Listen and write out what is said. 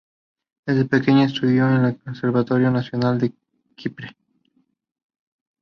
Desde pequeña estudió en el Conservatorio Nacional de Chipre.